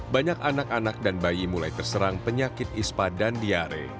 banyak anak anak dan bayi mulai terserang penyakit ispa dan diare